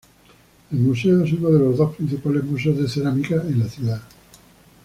El museo es uno de los dos principales museos de cerámica en la ciudad.